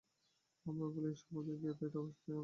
আমরা বলি, এই সমাধি বা জ্ঞানাতীত অবস্থাই ধর্ম।